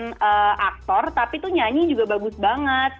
bukan aktor tapi tuh nyanyi juga bagus banget